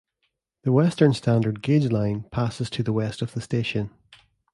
The Western standard gauge line passes to the west of the station.